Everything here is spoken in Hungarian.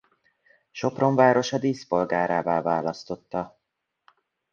Sopron városa díszpolgárává választotta.